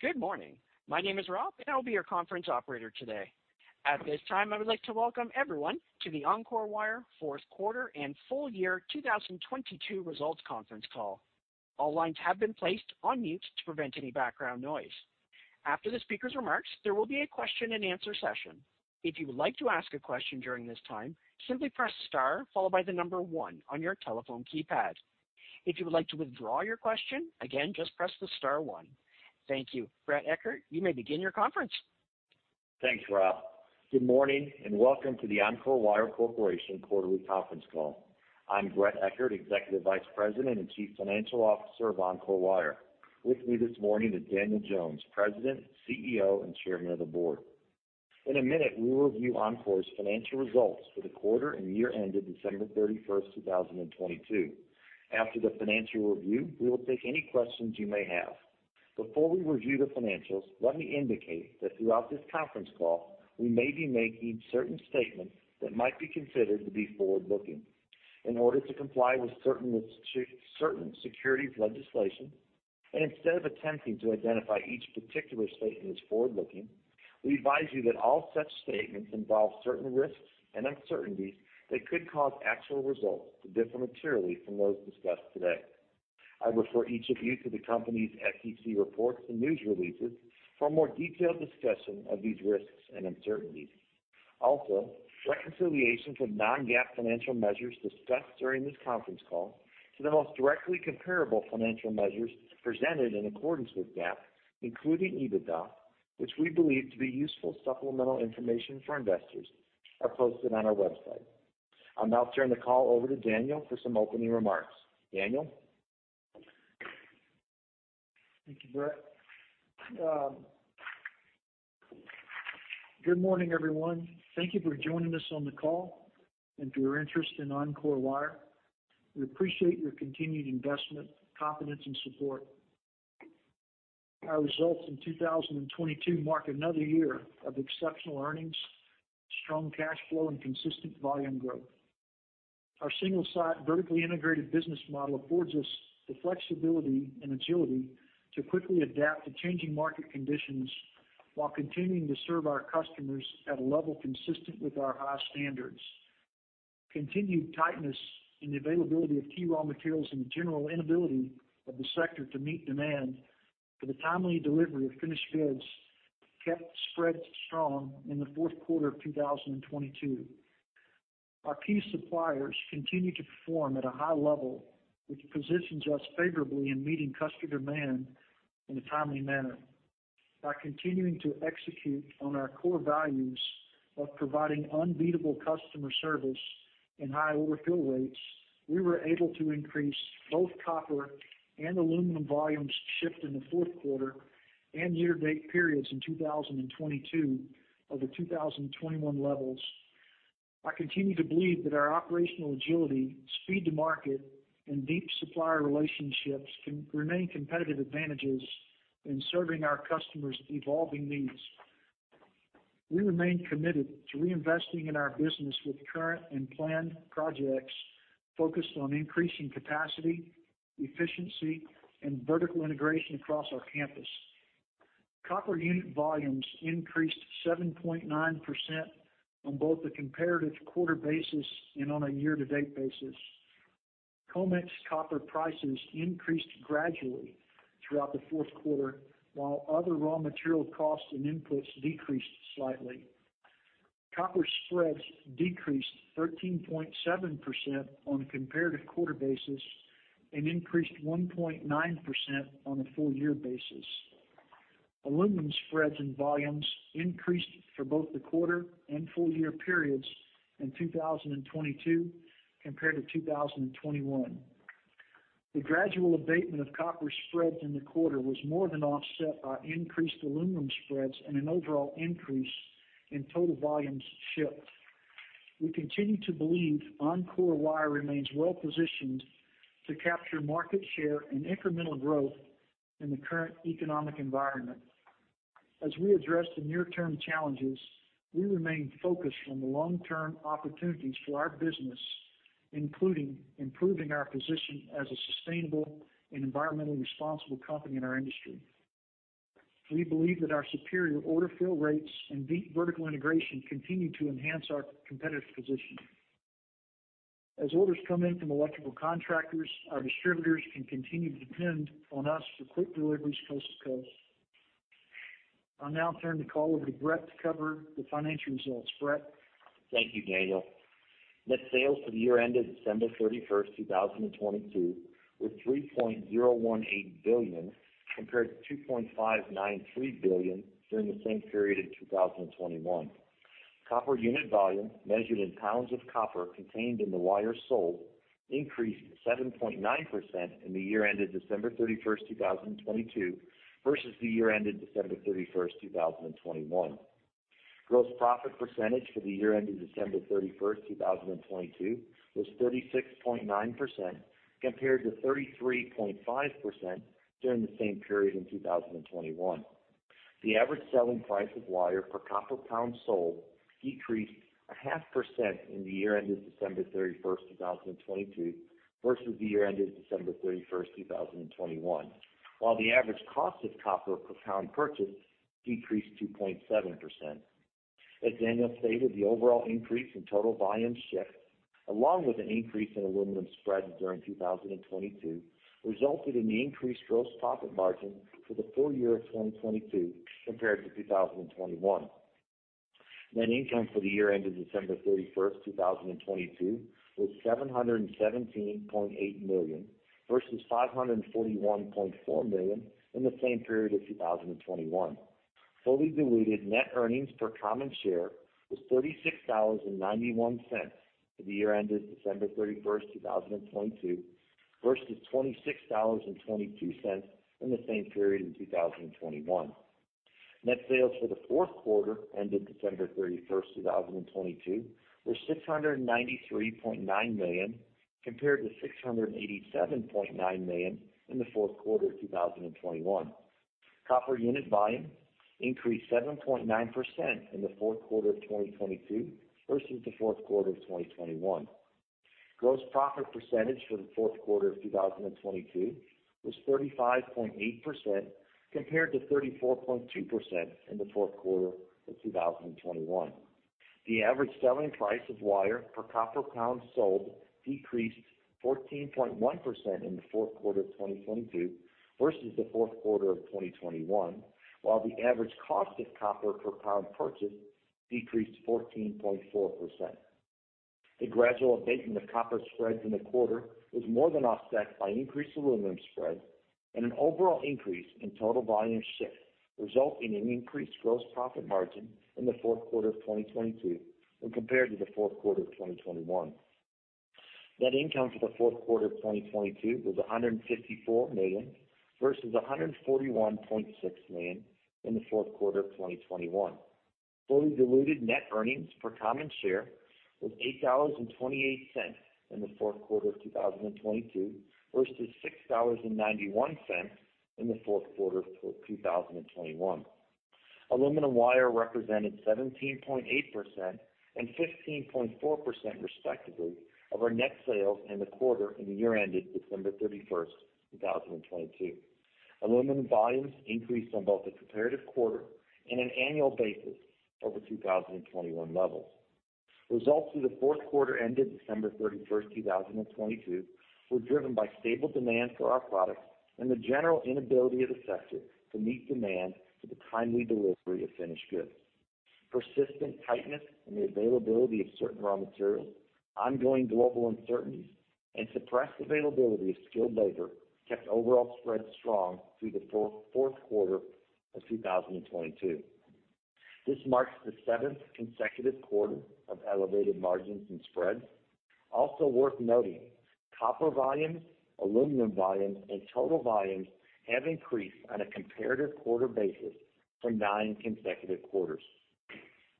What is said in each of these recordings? Good morning. My name is Rob, and I'll be your conference operator today. At this time, I would like to welcome everyone to the Encore Wire fourth quarter and full year 2022 results conference call. All lines have been placed on mute to prevent any background noise. After the speaker's remarks, there will be a Q&A session. If you would like to ask a question during this time, simply press star followed by the one on your telephone keypad. If you would like to withdraw your question, again, just press the star one. Thank you. Bret Eckert, you may begin your conference. Thanks, Rob. Welcome to the Encore Wire Corporation quarterly conference call. I'm Bret Eckert, Executive Vice President and Chief Financial Officer of Encore Wire. With me this morning is Daniel Jones, President, CEO, and Chairman of the Board. In a minute, we'll review Encore's financial results for the quarter and year ended December 31st, 2022. After the financial review, we will take any questions you may have. Before we review the financials, let me indicate that throughout this conference call, we may be making certain statements that might be considered to be forward-looking. In order to comply with certain securities legislation, instead of attempting to identify each particular statement as forward-looking, we advise you that all such statements involve certain risks and uncertainties that could cause actual results to differ materially from those discussed today. I refer each of you to the company's SEC reports and news releases for a more detailed discussion of these risks and uncertainties. Also, reconciliations of non-GAAP financial measures discussed during this conference call to the most directly comparable financial measures presented in accordance with GAAP, including EBITDA, which we believe to be useful supplemental information for investors, are posted on our website. I'll now turn the call over to Daniel for some opening remarks. Daniel? Thank you, Bret. Good morning, everyone. Thank you for joining us on the call and for your interest in Encore Wire. We appreciate your continued investment, confidence, and support. Our results in 2022 mark another year of exceptional earnings, strong cash flow, and consistent volume growth. Our single-site vertically integrated business model affords us the flexibility and agility to quickly adapt to changing market conditions while continuing to serve our customers at a level consistent with our high standards. Continued tightness in the availability of key raw materials and the general inability of the sector to meet demand for the timely delivery of finished goods kept spreads strong in the fourth quarter of 2022. Our key suppliers continue to perform at a high level, which positions us favorably in meeting customer demand in a timely manner. By continuing to execute on our core values of providing unbeatable customer service and high order fill rates, we were able to increase both copper and aluminum volumes shipped in the fourth quarter and year-to-date periods in 2022 over 2021 levels. I continue to believe that our operational agility, speed to market, and deep supplier relationships can remain competitive advantages in serving our customers' evolving needs. We remain committed to reinvesting in our business with current and planned projects focused on increasing capacity, efficiency, and vertical integration across our campus. Copper unit volumes increased 7.9% on both the comparative quarter basis and on a year-to-date basis. COMEX copper prices increased gradually throughout the fourth quarter, while other raw material costs and inputs decreased slightly. Copper spreads decreased 13.7% on a comparative quarter basis and increased 1.9% on a full year basis. Aluminum spreads and volumes increased for both the quarter and full year periods in 2022 compared to 2021. The gradual abatement of copper spreads in the quarter was more than offset by increased aluminum spreads and an overall increase in total volumes shipped. We continue to believe Encore Wire remains well positioned to capture market share and incremental growth in the current economic environment. As we address the near-term challenges, we remain focused on the long-term opportunities for our business, including improving our position as a sustainable and environmentally responsible company in our industry. We believe that our superior order fill rates and deep vertical integration continue to enhance our competitive position. As orders come in from electrical contractors, our distributors can continue to depend on us for quick deliveries coast to coast. I'll now turn the call over to Bret to cover the financial results. Bret? Thank you, Daniel. Net sales for the year ended December 31st, 2022 were $3.018 billion, compared to $2.593 billion during the same period in 2021. Copper unit volume, measured in pounds of copper contained in the wire sold, increased 7.9% in the year ended December 31st, 2022 versus the year ended December 31st, 2021. Gross profit percentage for the year ended December 31st, 2022 was 36.9% compared to 33.5% during the same period in 2021. The average selling price of wire per copper pound sold decreased 0.5% in the year ended December 31st, 2022 versus the year ended December 31st, 2021, while the average cost of copper per pound purchased decreased 2.7%. As Daniel stated, the overall increase in total volume shipped, along with an increase in aluminum spread during 2022, resulted in the increased gross profit margin for the full year of 2022 compared to 2021. Net income for the year ended December 31st, 2022 was $717.8 million versus $541.4 million in the same period of 2021. Fully diluted net earnings per common share was $36.91 for the year ended December 31st, 2022 versus $26.22 in the same period in 2021. Net sales for the fourth quarter ended December 31st, 2022 were $693.9 million compared to $687.9 million in the fourth quarter of 2021. Copper unit volume increased 7.9% in the fourth quarter of 2022 versus the fourth quarter of 2021. Gross profit percentage for the fourth quarter of 2022 was 35.8% compared to 34.2% in the fourth quarter of 2021. The average selling price of wire per copper pound sold decreased 14.1% in the fourth quarter of 2022 versus the fourth quarter of 2021, while the average cost of copper per pound purchased decreased 14.4%. The gradual abatement of copper spreads in the quarter was more than offset by increased aluminum spread and an overall increase in total volume shipped, resulting in increased gross profit margin in the fourth quarter of 2022 when compared to the fourth quarter of 2021. Net income for the fourth quarter of 2022 was $154 million versus $141.6 million in the fourth quarter of 2021. Fully diluted net earnings per common share was $8.28 in the fourth quarter of 2022 versus $6.91 in the fourth quarter of 2021. Aluminum wire represented 17.8% and 15.4% respectively of our net sales in the quarter in the year ended December 31st, 2022. Aluminum volumes increased on both the comparative quarter and an annual basis over 2021 levels. Results for the fourth quarter ended December 31st, 2022, were driven by stable demand for our products and the general inability of the sector to meet demand for the timely delivery of finished goods. Persistent tightness in the availability of certain raw materials, ongoing global uncertainties, and suppressed availability of skilled labor kept overall spreads strong through the fourth quarter of 2022. This marks the seventh consecutive quarter of elevated margins and spreads. Also worth noting, copper volumes, aluminum volumes, and total volumes have increased on a comparative quarter basis for nine consecutive quarters.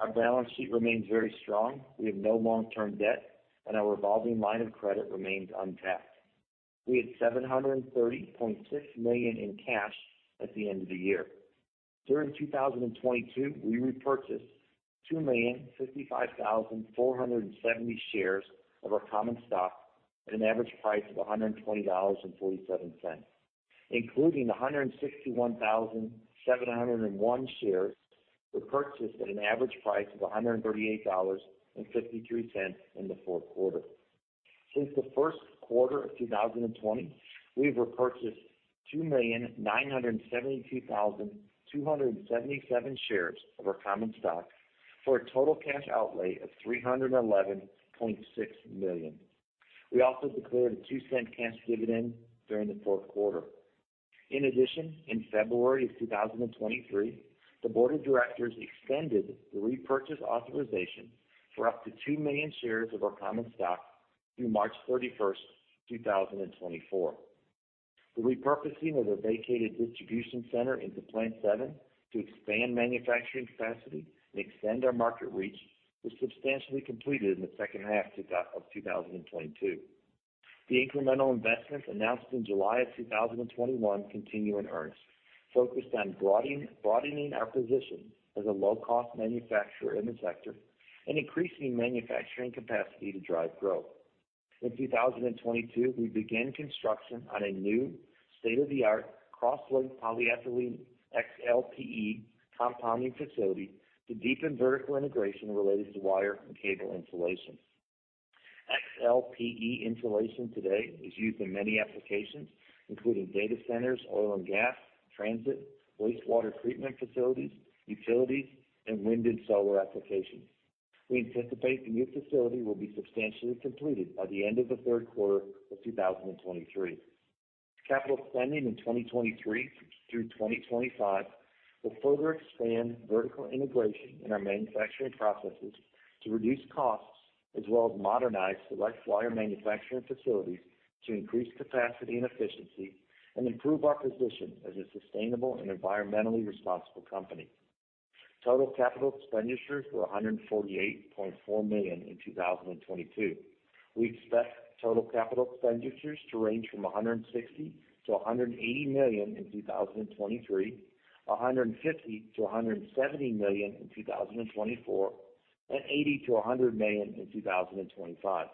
Our balance sheet remains very strong. We have no long-term debt, and our revolving line of credit remains untapped. We had $730.6 million in cash at the end of the year. During 2022, we repurchased 2,055,470 shares of our common stock at an average price of $120.47, including 161,701 shares repurchased at an average price of $138.53 in the fourth quarter. Since the first quarter of 2020, we've repurchased 2,972,277 shares of our common stock for a total cash outlay of $311.6 million. We also declared a $0.02 cash dividend during the fourth quarter. In addition, in February of 2023, the board of directors extended the repurchase authorization for up to 2 million shares of our common stock through March 31st, 2024. The repurposing of our vacated distribution center into Plant 7 to expand manufacturing capacity and extend our market reach was substantially completed in the second half of 2022. The incremental investments announced in July of 2021 continue in earnest, focused on broadening our position as a low-cost manufacturer in the sector and increasing manufacturing capacity to drive growth. In 2022, we began construction on a new state-of-the-art cross-linked polyethylene XLPE compounding facility to deepen vertical integration related to wire and cable insulation. XLPE insulation today is used in many applications, including data centers, oil and gas, transit, wastewater treatment facilities, utilities, and wind and solar applications. We anticipate the new facility will be substantially completed by the end of the third quarter of 2023. Capital spending in 2023 through 2025 will further expand vertical integration in our manufacturing processes to reduce costs as well as modernize select wire manufacturing facilities to increase capacity and efficiency and improve our position as a sustainable and environmentally responsible company. Total capital expenditures were $148.4 million in 2022. We expect total capital expenditures to range from $160 million-$180 million in 2023, $150 million-$170 million in 2024, and $80 million-$100 million in 2025.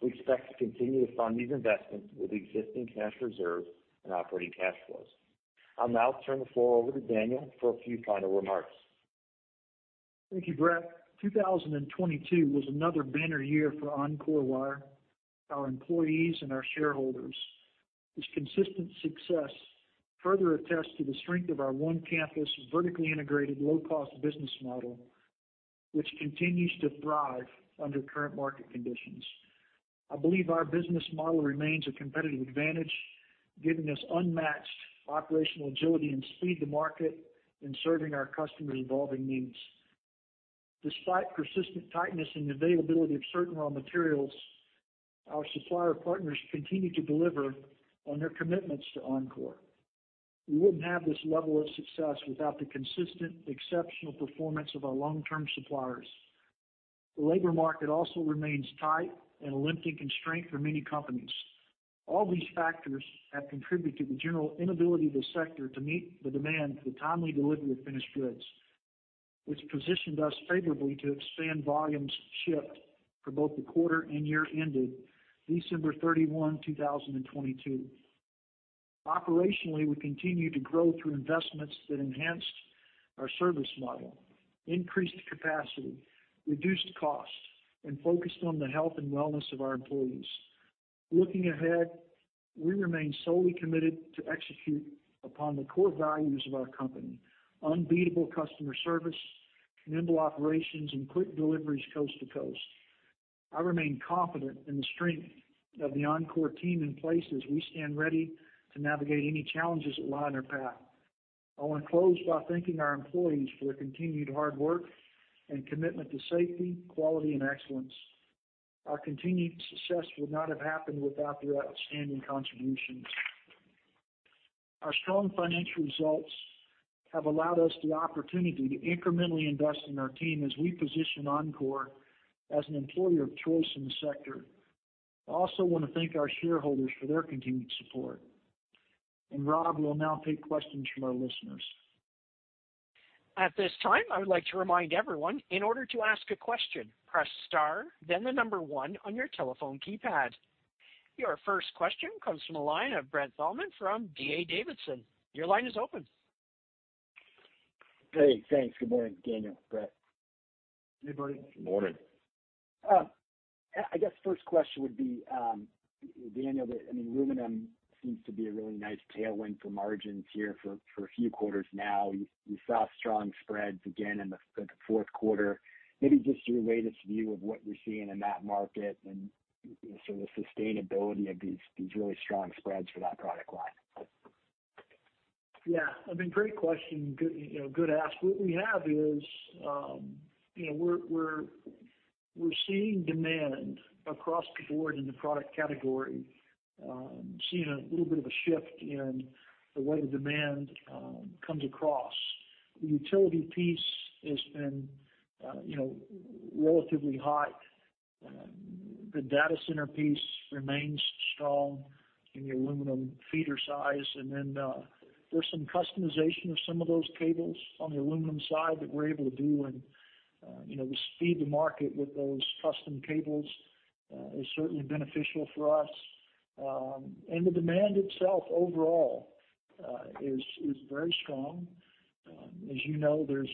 We expect to continue to fund these investments with existing cash reserves and operating cash flows. I'll now turn the floor over to Daniel for a few final remarks. Thank you, Bret. 2022 was another banner year for Encore Wire, our employees, and our shareholders. This consistent success further attests to the strength of our one campus, vertically integrated, low cost business model, which continues to thrive under current market conditions. I believe our business model remains a competitive advantage, giving us unmatched operational agility and speed to market in serving our customers evolving needs. Despite persistent tightness in availability of certain raw materials, our supplier partners continue to deliver on their commitments to Encore. We wouldn't have this level of success without the consistent exceptional performance of our long-term suppliers. The labor market also remains tight and a limiting constraint for many companies. All these factors have contributed to the general inability of the sector to meet the demand for the timely delivery of finished goods, which positioned us favorably to expand volumes shipped for both the quarter and year ended December 31, 2022. Operationally, we continue to grow through investments that enhanced our service model, increased capacity, reduced costs, and focused on the health and wellness of our employees. Looking ahead, we remain solely committed to execute upon the core values of our company, unbeatable customer service, nimble operations, and quick deliveries coast to coast. I remain confident in the strength of the Encore team in place as we stand ready to navigate any challenges that lie in our path. I want to close by thanking our employees for their continued hard work and commitment to safety, quality, and excellence. Our continued success would not have happened without their outstanding contributions. Our strong financial results have allowed us the opportunity to incrementally invest in our team as we position Encore as an employer of choice in the sector. I also want to thank our shareholders for their continued support. Rob will now take questions from our listeners. At this time, I would like to remind everyone, in order to ask a question, press star then the number one on your telephone keypad. Your first question comes from the line of Brent Thielman from D.A. Davidson. Your line is open. Hey, thanks. Good morning, Daniel, Bret. Hey, buddy. Good morning. I guess first question would be, Daniel, I mean, aluminum seems to be a really nice tailwind for margins here for a few quarters now. You saw strong spreads again in the fourth quarter. Maybe just your latest view of what you're seeing in that market and sort of sustainability of these really strong spreads for that product line. Yeah, I mean, great question. Good, you know, good ask. What we have is, you know, we're seeing demand across the board in the product category, seeing a little bit of a shift in the way the demand comes across. The utility piece has been, you know, relatively high. The data center piece remains strong in the aluminum feeder size. There's some customization of some of those cables on the aluminum side that we're able to do. You know, the speed to market with those custom cables is certainly beneficial for us. The demand itself overall is very strong. As you know, there's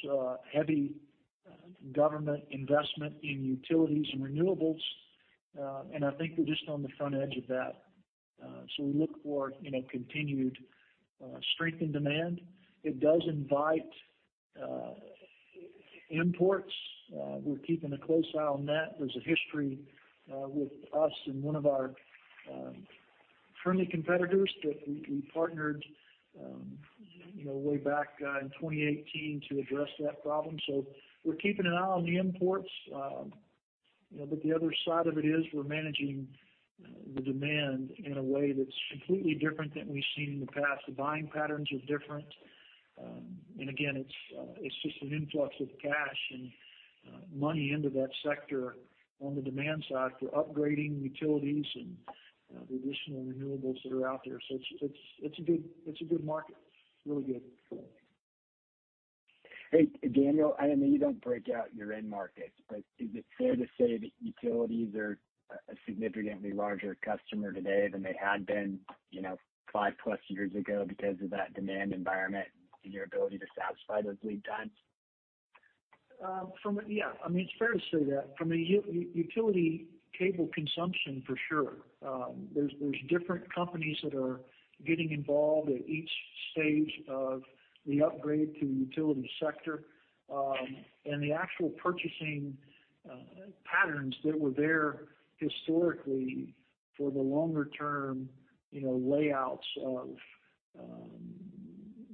heavy government investment in utilities and renewables, and I think we're just on the front edge of that. We look for, you know, continued strength in demand. It does invite imports. We're keeping a close eye on that. There's a history with us and one of our friendly competitors that we partnered, you know, way back in 2018 to address that problem. We're keeping an eye on the imports. You know, the other side of it is we're managing the demand in a way that's completely different than we've seen in the past. The buying patterns are different. Again, it's just an influx of cash and money into that sector on the demand side for upgrading utilities and the additional renewables that are out there. It's a good, it's a good market. Really good. Hey, Daniel, I know you don't break out your end markets, but is it fair to say that utilities are a significantly larger customer today than they had been, you know, 5+ years ago because of that demand environment and your ability to satisfy those lead times? Yeah, I mean, it's fair to say that. From a utility cable consumption for sure. There's different companies that are getting involved at each stage of the upgrade to the utility sector. The actual purchasing patterns that were there historically for the longer term, you know, layouts of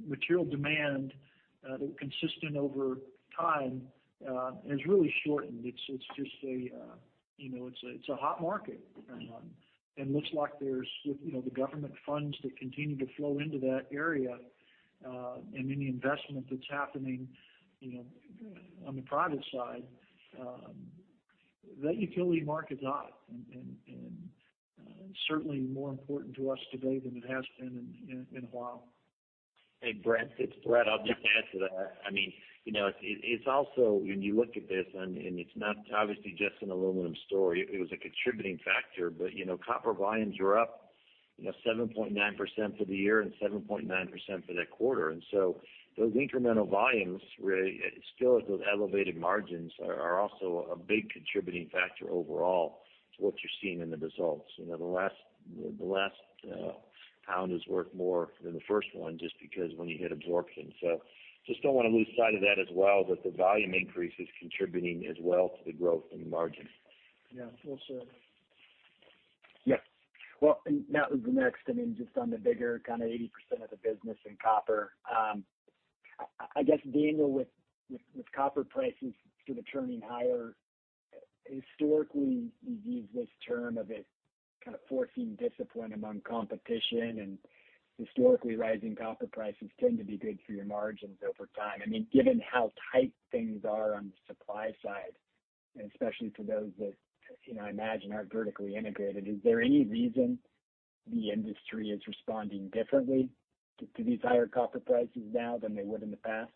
material demand that were consistent over time. It's really shortened. It's just a, you know, it's a hot market. Looks like there's, you know, the government funds that continue to flow into that area, and any investment that's happening, you know, on the private side, that utility market is hot and certainly more important to us today than it has been in a while. Hey, Brent, it's Bret. I'll just add to that. I mean, you know, it's also when you look at this, and it's not obviously just an aluminum story. It was a contributing factor. You know, copper volumes are up, you know, 7.9% for the year and 7.9% for that quarter. Those incremental volumes, Ray, still at those elevated margins are also a big contributing factor overall to what you're seeing in the results. You know, the last pound is worth more than the first one just because when you hit absorption. Just don't wanna lose sight of that as well, that the volume increase is contributing as well to the growth in the margin. Yeah. Will say. Well, that was the next I mean, just on the bigger kind of 80% of the business in copper. I guess, Daniel, with copper prices sort of turning higher, historically, you've used this term of it kind of forcing discipline among competition, historically, rising copper prices tend to be good for your margins over time. I mean, given how tight things are on the supply side, especially for those that, you know, I imagine aren't vertically integrated, is there any reason the industry is responding differently to these higher copper prices now than they would in the past?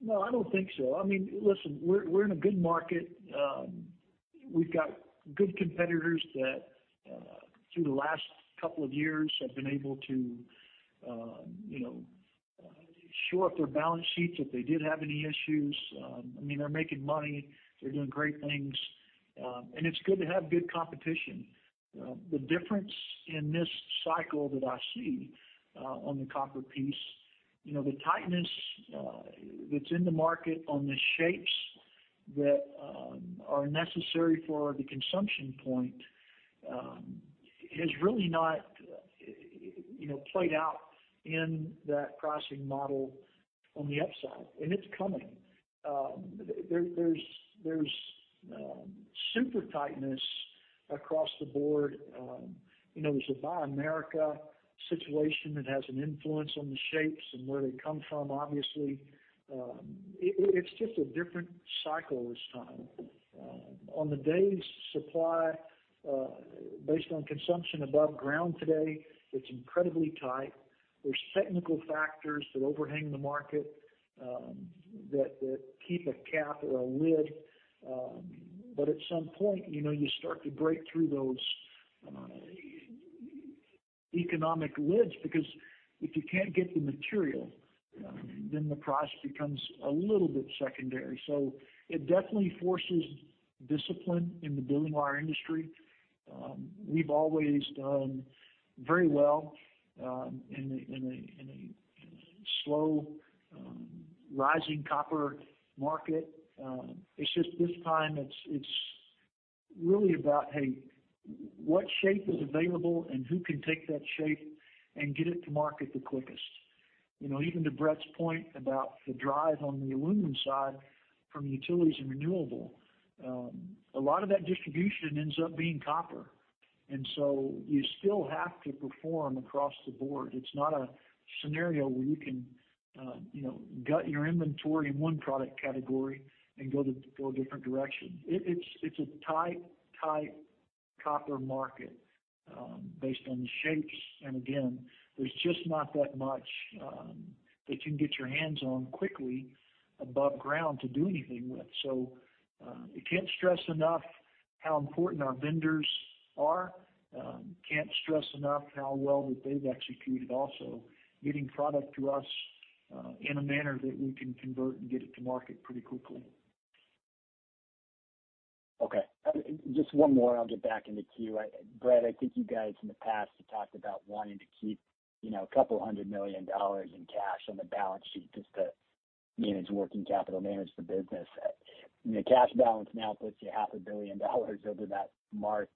No, I don't think so. I mean, listen, we're in a good market. We've got good competitors that through the last couple of years have been able to, you know, shore up their balance sheets if they did have any issues. I mean, they're making money. They're doing great things. It's good to have good competition. The difference in this cycle that I see on the copper piece, you know, the tightness that's in the market on the shapes that are necessary for the consumption point has really not, you know, played out in that pricing model on the upside. It's coming. There's super tightness across the board. You know, there's a Buy America situation that has an influence on the shapes and where they come from, obviously. It's just a different cycle this time. On the day's supply, based on consumption above ground today, it's incredibly tight. There's technical factors that overhang the market, that keep a cap or a lid. At some point, you know, you start to break through those economic lids because if you can't get the material, then the price becomes a little bit secondary. It definitely forces discipline in the building wire industry. We've always done very well in a slow rising copper market. It's just this time, it's really about, hey, what shape is available and who can take that shape and get it to market the quickest. You know, even to Bret's point about the drive on the aluminum side from utilities and renewable, a lot of that distribution ends up being copper. You still have to perform across the board. It's not a scenario where you can, you know, gut your inventory in one product category and go a different direction. It's a tight copper market, based on the shapes. There's just not that much that you can get your hands on quickly above ground to do anything with. I can't stress enough how important our vendors are. Can't stress enough how well that they've executed also getting product to us in a manner that we can convert and get it to market pretty quickly. Okay. Just one more, and I'll get back in the queue. Bret, I think you guys in the past have talked about wanting to keep, you know, a couple hundred million dollars in cash on the balance sheet just to manage working capital, manage the business. The cash balance now puts you half a billion dollars over that mark.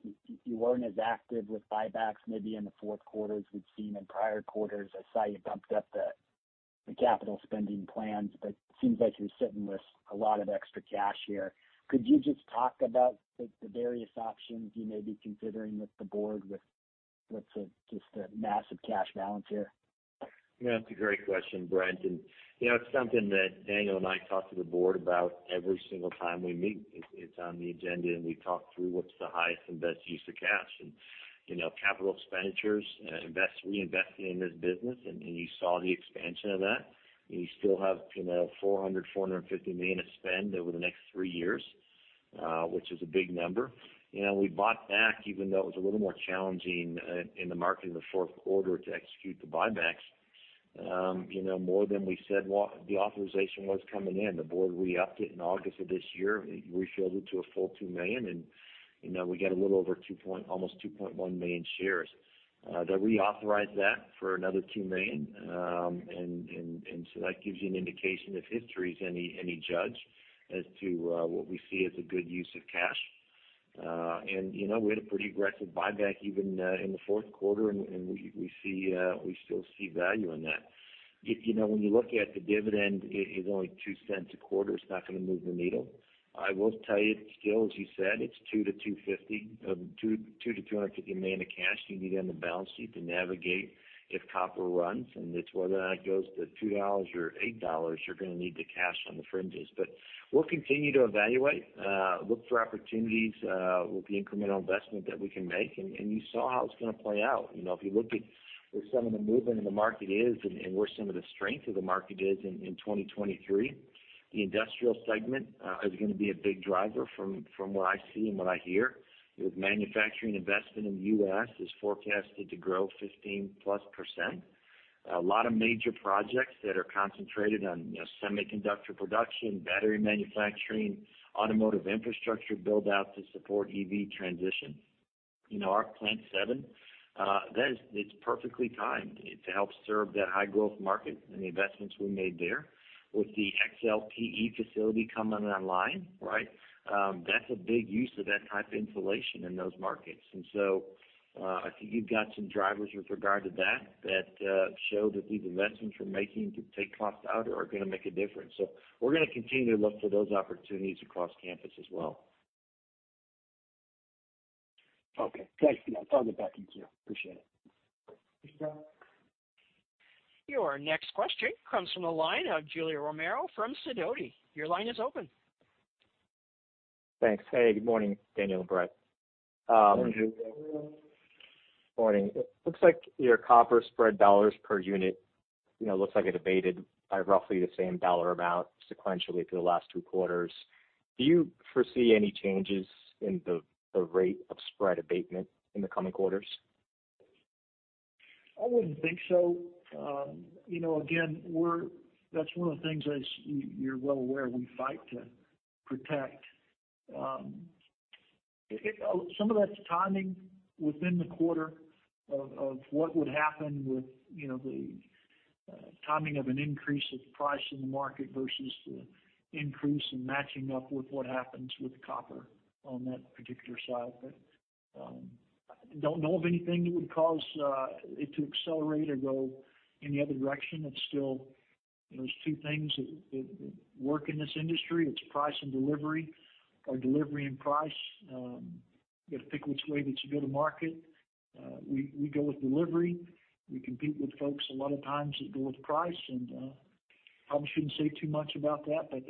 You weren't as active with buybacks maybe in the fourth quarter as we've seen in prior quarters. I saw you bumped up the capital spending plans, but it seems like you're sitting with a lot of extra cash here. Could you just talk about the various options you may be considering with the board with the just the massive cash balance here? Yeah. That's a great question, Brent. You know, it's something that Daniel and I talk to the board about every single time we meet. It's on the agenda, and we talk through what's the highest and best use of cash. You know, capital expenditures, reinvesting in this business, and you saw the expansion of that. You still have, you know, $400 million-$450 million to spend over the next three years, which is a big number. You know, we bought back, even though it was a little more challenging, in the market in the fourth quarter to execute the buybacks, you know, more than we said the authorization was coming in. The board re-upped it in August of this year. We refilled it to a full $2 million. You know, we got a little over almost 2.1 million shares. They reauthorized that for another $2 million. So that gives you an indication if history is any judge as to what we see as a good use of cash. You know, we had a pretty aggressive buyback even in the fourth quarter, and we see we still see value in that. You know, when you look at the dividend, it is only $0.20 a quarter. It's not gonna move the needle. I will tell you, still, as you said, it's $2 million-$250 million in cash you need on the balance sheet to navigate if copper runs. It's whether or not it goes to $2 or $8, you're gonna need the cash on the fringes. We'll continue to evaluate, look for opportunities with the incremental investment that we can make. You saw how it's gonna play out. You know, if you look at where some of the movement in the market is and where some of the strength of the market is in 2023, the industrial segment is gonna be a big driver from what I see and what I hear. With manufacturing investment in the U.S. is forecasted to grow 15%+. A lot of major projects that are concentrated on, you know, semiconductor production, battery manufacturing, automotive infrastructure build out to support EV transition. You know, our Plant 7, it's perfectly timed to help serve that high-growth market and the investments we made there. With the XLPE facility coming online, right? That's a big use of that type of insulation in those markets. I think you've got some drivers with regard to that, show that the investments we're making to take costs out are gonna make a difference. We're gonna continue to look for those opportunities across campus as well. Okay. Thanks for that. I'll get back in queue. Appreciate it. Your next question comes from the line of Julio Romero from Sidoti. Your line is open. Thanks. Hey, good morning, Daniel, and Bret. Morning, Julio. Morning. It looks like your copper spread dollars per unit, you know, looks like it abated by roughly the same dollar amount sequentially for the last two quarters. Do you foresee any changes in the rate of spread abatement in the coming quarters? I wouldn't think so. you know, again, that's one of the things, as you're well aware, we fight to protect. Some of that's timing within the quarter of what would happen with, you know, the timing of an increase of price in the market versus the increase in matching up with what happens with copper on that particular side. Don't know of anything that would cause it to accelerate or go any other direction. It's still... There's two things that work in this industry. It's price and delivery or delivery and price. you gotta pick which way that you go to market. we go with delivery. We compete with folks a lot of times that go with price. probably shouldn't say too much about that, but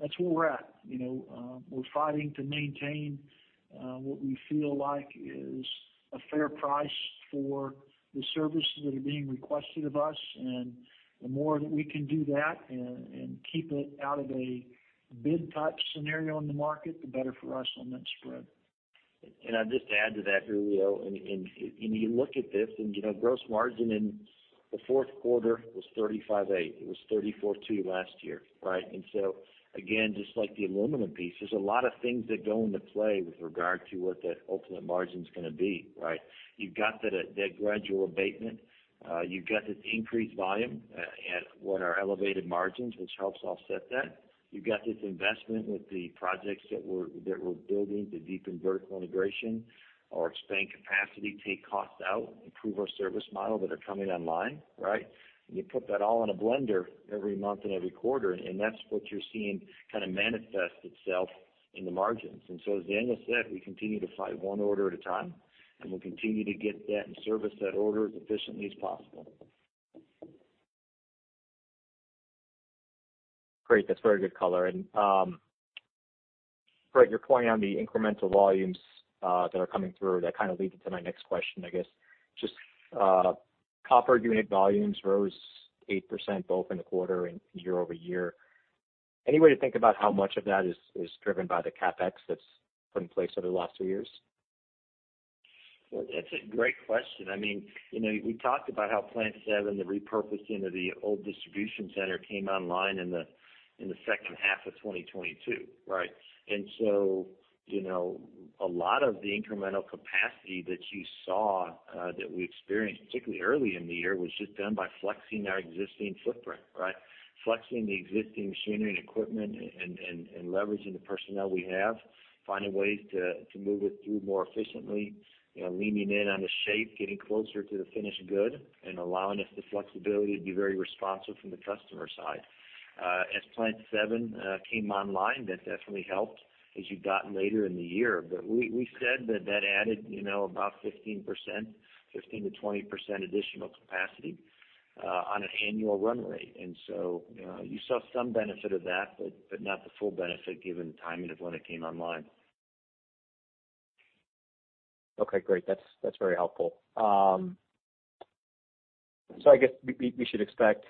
that's where we're at. You know, we're fighting to maintain, what we feel like is a fair price for the services that are being requested of us. The more that we can do that and keep it out of a bid-type scenario in the market, the better for us on that spread. I'd just add to that, Julio. You look at this and, you know, gross margin in the fourth quarter was 35.8%. It was 34.2% last year, right? Again, just like the aluminum piece, there's a lot of things that go into play with regard to what that ultimate margin is gonna be, right? You've got that gradual abatement. You've got this increased volume at what are elevated margins, which helps offset that. You've got this investment with the projects that we're building to deepen vertical integration or expand capacity, take costs out, improve our service model that are coming online, right? You put that all in a blender every month and every quarter, and that's what you're seeing kind of manifest itself in the margins. As Daniel said, we continue to fight one order at a time, and we'll continue to get that and service that order as efficiently as possible. Great. That's very good color. Bret, you're pointing on the incremental volumes that are coming through. That kind of leads into my next question I guess. Just, copper unit volumes rose 8% both in the quarter and year-over-year. Any way to think about how much of that is driven by the CapEx that's put in place over the last two years? Well, that's a great question. I mean, you know, we talked about how Plant 7, the repurposing of the old distribution center, came online in the second half of 2022, right? You know, a lot of the incremental capacity that you saw that we experienced, particularly early in the year, was just done by flexing our existing footprint, right? Flexing the existing machinery and equipment and leveraging the personnel we have, finding ways to move it through more efficiently, you know, leaning in on the shape, getting closer to the finished good, and allowing us the flexibility to be very responsive from the customer side. As Plant 7 came online, that definitely helped as you've gotten later in the year. We said that that added, you know, about 15%, 15%-20% additional capacity, on an annual run rate. You know, you saw some benefit of that, but not the full benefit given the timing of when it came online. Okay, great. That's very helpful. I guess we should expect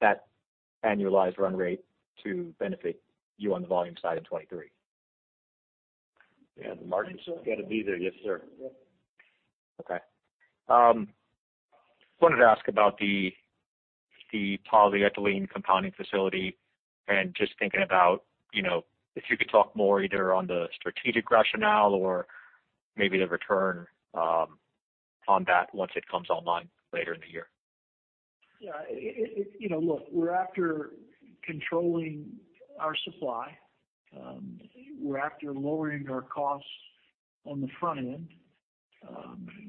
that annualized run rate to benefit you on the volume side in 23. Yeah. The margins got to be there. Yes, sir. Okay. wanted to ask about the polyethylene compounding facility and just thinking about, you know, if you could talk more either on the strategic rationale or maybe the return on that once it comes online later in the year? Yeah, you know, look, we're after controlling our supply. We're after lowering our costs on the front end.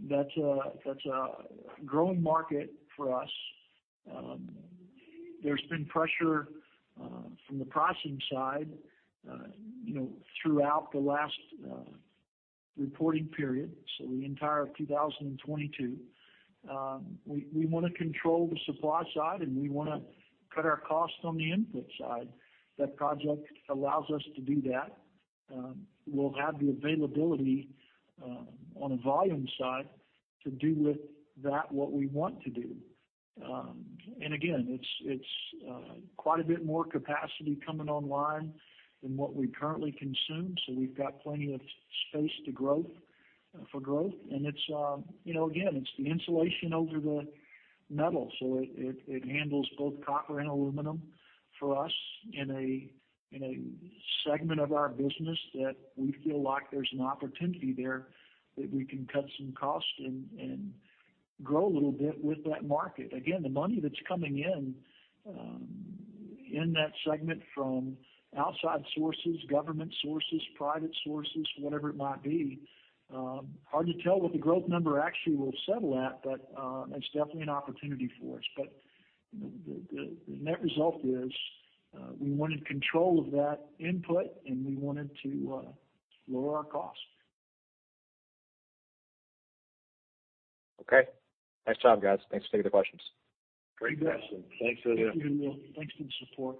That's a, that's a growing market for us. There's been pressure from the pricing side, you know, throughout the last reporting period, so the entire of 2022. We, we wanna control the supply side, and we wanna cut our costs on the input side. That project allows us to do that. We'll have the availability on a volume side to do with that what we want to do. Again, it's quite a bit more capacity coming online than what we currently consume, so we've got plenty of space to growth for growth. It's, you know, again, it's the insulation over the metal, so it handles both copper and aluminum for us in a segment of our business that we feel like there's an opportunity there that we can cut some costs and grow a little bit with that market. Again, the money that's coming in in that segment from outside sources, government sources, private sources, whatever it might be, hard to tell what the growth number actually will settle at, but it's definitely an opportunity for us. The net result is we wanted control of that input, and we wanted to lower our costs. Okay. Nice job, guys. Thanks for taking the questions. Great. Thanks for the- Thank you, Julio. Thanks for the support.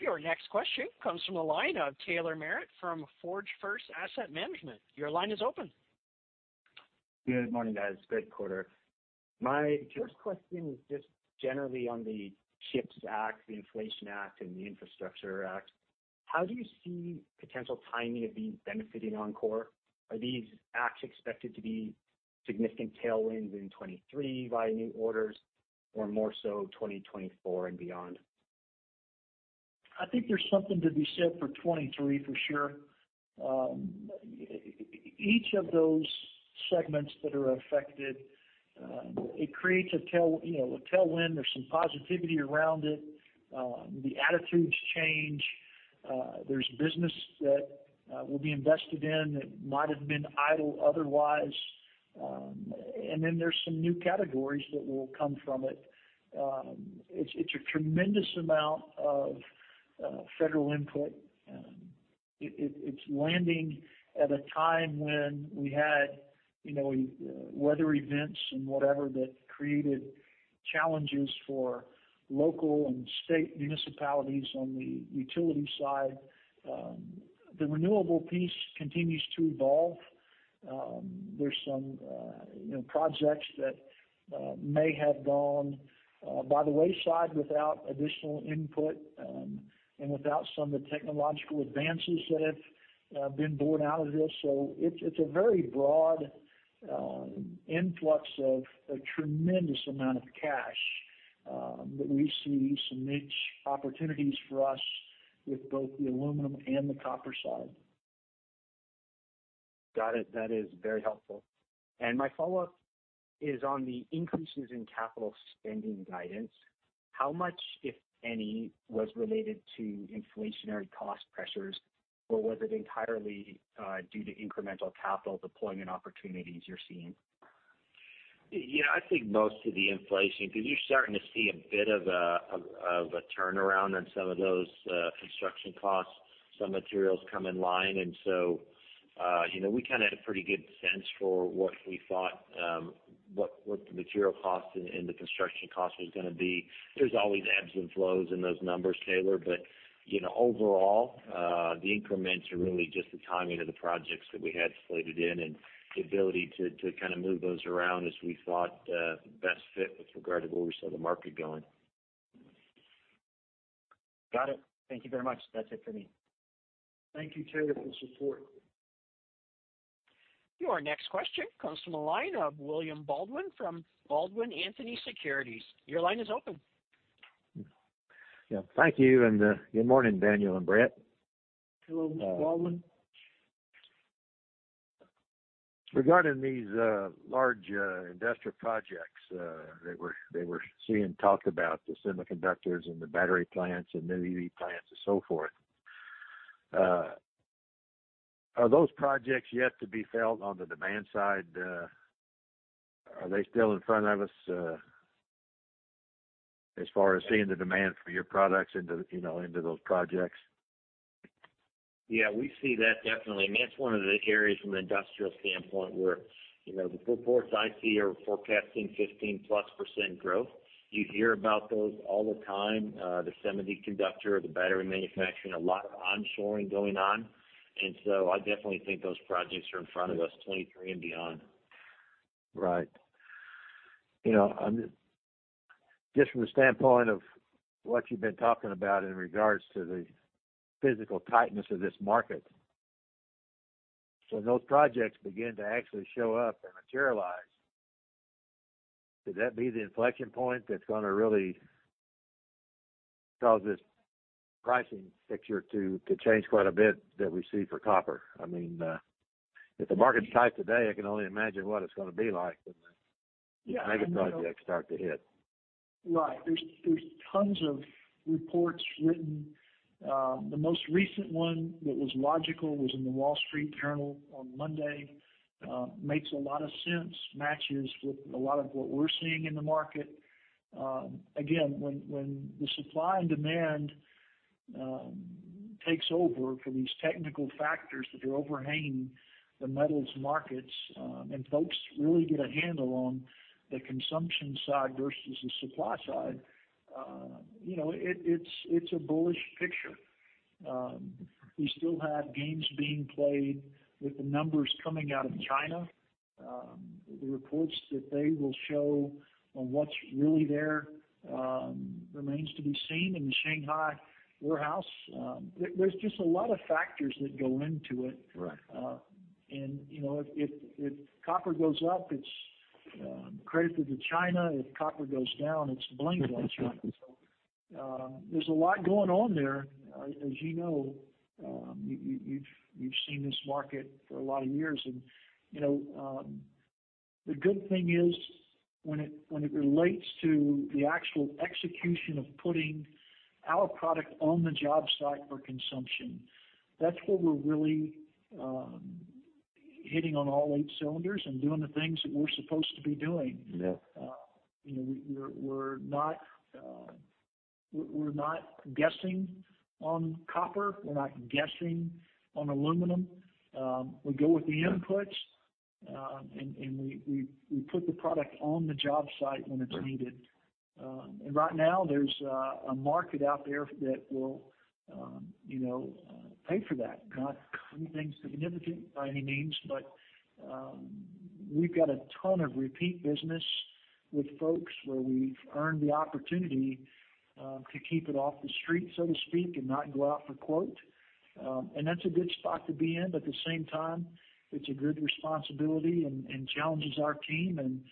Your next question comes from the line of Taylor Merritt from Forge First Asset Management. Your line is open. Good morning, guys. Great quarter. My first question was just generally on the CHIPS Act, the Inflation Act, and the Infrastructure Act. How do you see potential timing of these benefiting Encore? Are these acts expected to be significant tailwinds in 23 via new orders or more so 2024 and beyond? I think there's something to be said for 23 for sure. Each of those segments that are affected, it creates a tail, you know, a tailwind. There's some positivity around it. The attitudes change. There's business that will be invested in that might have been idle otherwise. There's some new categories that will come from it. It's, it's a tremendous amount of federal input. It, it's landing at a time when we had, you know, weather events and whatever that created challenges for local and state municipalities on the utility side. The renewable piece continues to evolve. There's some, you know, projects that may have gone by the wayside without additional input, and without some of the technological advances that have been born out of this. It's a very broad influx of a tremendous amount of cash, that we see some niche opportunities for us with both the aluminum and the copper side. Got it. That is very helpful. My follow-up is on the increases in capital spending guidance. How much, if any, was related to inflationary cost pressures, or was it entirely due to incremental capital deployment opportunities you're seeing? Yeah. I think most of the inflation 'cause you're starting to see a bit of a turnaround on some of those construction costs. Some materials come in line. You know, we kinda had a pretty good sense for what we thought, what the material cost and the construction cost was gonna be. There's always ebbs and flows in those numbers, Taylor, but, you know, overall, the increments are really just the timing of the projects that we had slated in and the ability to kinda move those around as we thought, best fit with regard to where we saw the market going. Got it. Thank you very much. That's it for me. Thank you, Taylor, for the support. Your next question comes from the line of William Baldwin from Baldwin Anthony Securities. Your line is open. Yeah. Thank you, good morning, Daniel and Bret. Hello, Mr. Baldwin. Regarding these, large, industrial projects, that we're seeing talked about, the semiconductors and the battery plants and new EV plants and so forth, are those projects yet to be felt on the demand side? Are they still in front of us, as far as seeing the demand for your products, you know, into those projects? Yeah, we see that definitely. I mean, that's one of the areas from an industrial standpoint where, you know, the reports I see are forecasting 15%+ growth. You hear about those all the time, the semiconductor, the battery manufacturing, a lot of onshoring going on. I definitely think those projects are in front of us 23 and beyond. You know, Just from the standpoint of what you've been talking about in regards to the physical tightness of this market. Those projects begin to actually show up and materialize. Could that be the inflection point that's gonna really cause this pricing picture to change quite a bit that we see for copper. I mean, if the market's tight today, I can only imagine what it's gonna be like when the mega projects start to hit. Right. There's tons of reports written. The most recent one that was logical was in The Wall Street Journal on Monday. Makes a lot of sense, matches with a lot of what we're seeing in the market. Again, when the supply and demand takes over for these technical factors that are overhanging the metals markets, and folks really get a handle on the consumption side versus the supply side, you know, it's a bullish picture. We still have games being played with the numbers coming out of China. The reports that they will show on what's really there, remains to be seen in the Shanghai warehouse. There's just a lot of factors that go into it. Right. You know, if copper goes up, it's credit to China. If copper goes down, it's blamed on China. There's a lot going on there. As you know, you've seen this market for a lot of years. You know, the good thing is when it relates to the actual execution of putting our product on the job site for consumption, that's where we're really hitting on all eight cylinders and doing the things that we're supposed to be doing. Yeah. You know, we're not, we're not guessing on copper. We're not guessing on aluminum. We go with the inputs, and we put the product on the job site when it's needed. Right now, there's a market out there that will, you know, pay for that. Not doing things significant by any means, but we've got a ton of repeat business with folks where we've earned the opportunity to keep it off the street, so to speak, and not go out for quote. That's a good spot to be in, but at the same time, it's a good responsibility and challenges our team and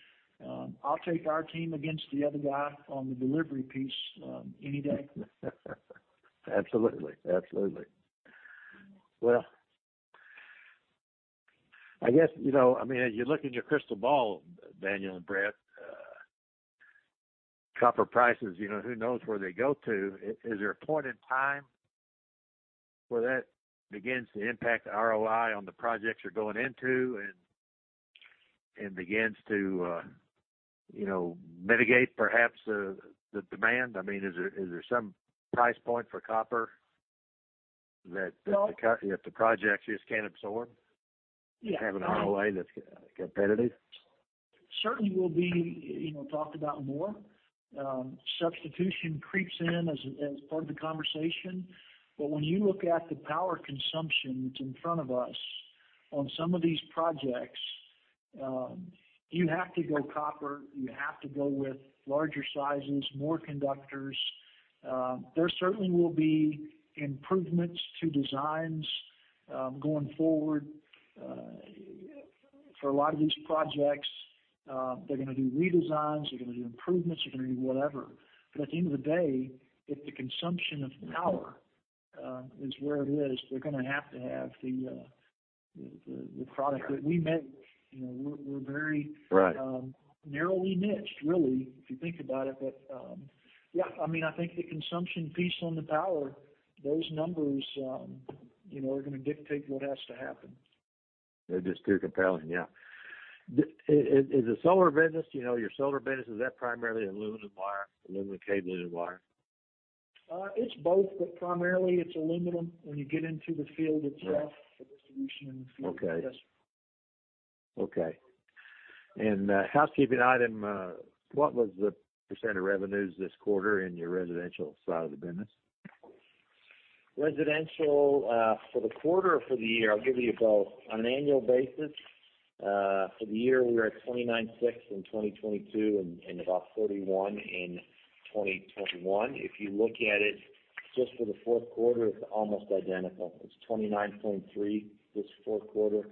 I'll take our team against the other guy on the delivery piece any day. Absolutely. Absolutely. Well, I guess, you know, I mean, as you look in your crystal ball, Daniel and Bret, copper prices, you know, who knows where they go to. Is there a point in time where that begins to impact the ROI on the projects you're going into and begins to, you know, mitigate perhaps the demand? I mean, is there some price point for copper. Well- that the projects just can't absorb? Yeah. Have an ROI that's competitive? Certainly will be, you know, talked about more. Substitution creeps in as part of the conversation. When you look at the power consumption that's in front of us on some of these projects, you have to go copper, you have to go with larger sizes, more conductors. There certainly will be improvements to designs, going forward, for a lot of these projects. They're gonna do redesigns, they're gonna do improvements, they're gonna do whatever. At the end of the day, if the consumption of power is where it is, they're gonna have to have the product that we make. You know, we're very- Right. narrowly niched really, if you think about it. Yeah, I mean, I think the consumption piece on the power, those numbers, you know, are gonna dictate what has to happen. They're just too compelling, yeah. Is the solar business, you know, your solar business, is that primarily aluminum wire, aluminum cable and wire? It's both, but primarily it's aluminum. When you get into the field, it's tough for distribution in the field. Okay. Yes. Okay. Housekeeping item, what was the % of revenues this quarter in your residential side of the business? Residential, for the quarter or for the year? I'll give you both. On an annual basis, for the year, we were at 29.6% in 2022 and about 41% in 2021. If you look at it just for the fourth quarter, it's almost identical. It's 29.3% this fourth quarter,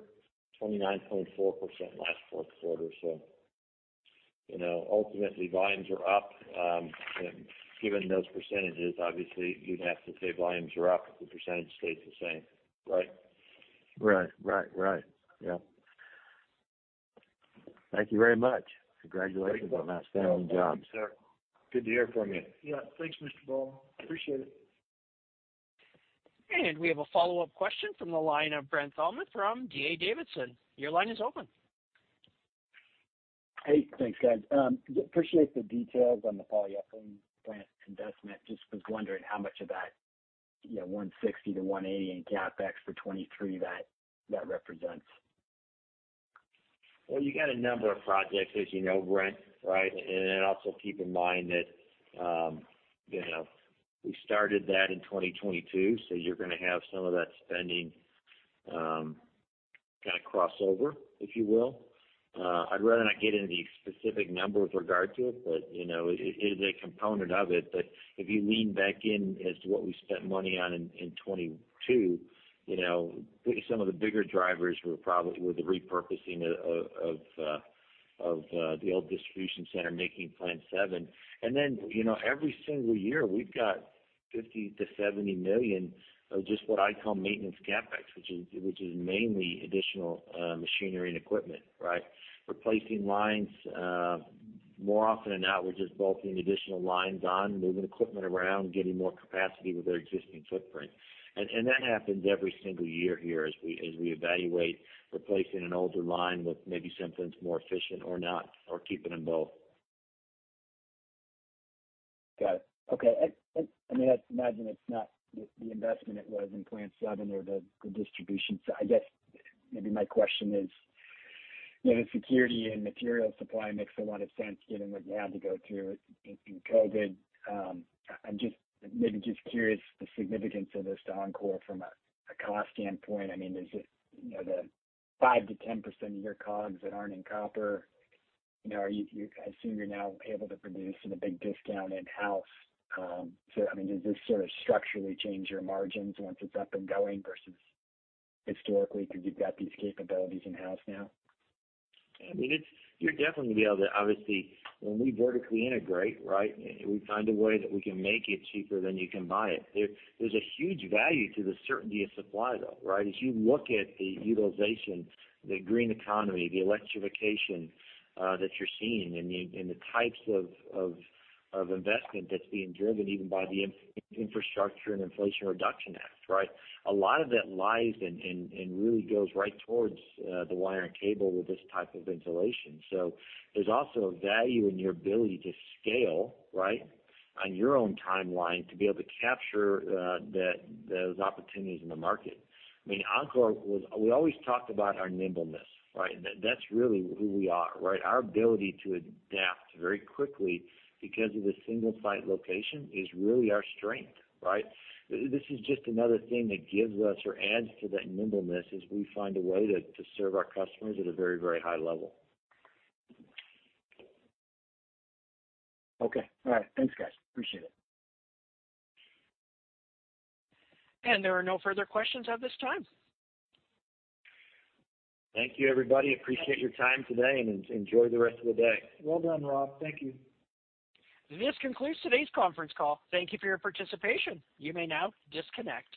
29.4% last fourth quarter. you know, ultimately, volumes are up. Given those percentages, obviously, you'd have to say volumes are up if the percentage stays the same. Right? Right. Right. Right. Yeah. Thank you very much. Congratulations on an outstanding job. Thank you, sir. Good to hear from you. Yeah. Thanks, Mr. Baldwin. Appreciate it. We have a follow-up question from the line of Brent Thielman from D.A. Davidson. Your line is open. Hey, thanks, guys. appreciate the details on the polyethylene plant investment. Just was wondering how much of that, you know, $160-$180 in CapEx for 2023 that represents? You got a number of projects as you know, Brent, right? Also keep in mind that, you know, we started that in 2022, so you're gonna have some of that spending, kind of crossover, if you will. I'd rather not get into the specific number with regard to it, but, you know, it is a component of it. If you lean back in as to what we spent money on in 2022, you know, some of the bigger drivers were probably with the repurposing of the old distribution center, making Plant 7. Then, you know, every single year, we've got $50 million-$70 million of just what I call maintenance CapEx, which is mainly additional machinery and equipment, right? Replacing lines, more often than not, we're just bolting additional lines on, moving equipment around, getting more capacity with our existing footprint. That happens every single year here as we evaluate replacing an older line with maybe something that's more efficient or not, or keeping them both. Got it. Okay. I mean, I'd imagine it's not the investment it was in Plant 7 or the distribution. I guess maybe my question is, you know, the security and material supply makes a lot of sense given what you had to go through in COVID. I'm just maybe just curious the significance of this to Encore from a cost standpoint. I mean, is it, you know, the 5%-10% of your COGS that aren't in copper? You know, I assume you're now able to produce in a big discount in-house. I mean, does this sort of structurally change your margins once it's up and going versus historically, because you've got these capabilities in-house now? I mean, you're definitely gonna be able to, obviously, when we vertically integrate, right? We find a way that we can make it cheaper than you can buy it. There's a huge value to the certainty of supply, though, right? You look at the utilization, the green economy, the electrification that you're seeing and the types of investment that's being driven even by the Infrastructure and Inflation Reduction Act, right? A lot of that lies and really goes right towards the wire and cable with this type of insulation. There's also a value in your ability to scale, right? On your own timeline to be able to capture those opportunities in the market. I mean, Encore was. We always talked about our nimbleness, right? That's really who we are, right? Our ability to adapt very quickly because of the single site location is really our strength, right? This is just another thing that gives us or adds to that nimbleness as we find a way to serve our customers at a very, very high level. Okay. All right. Thanks, guys. Appreciate it. There are no further questions at this time. Thank you, everybody. Appreciate your time today. Enjoy the rest of the day. Well done, Rob. Thank you. This concludes today's conference call. Thank you for your participation. You may now disconnect.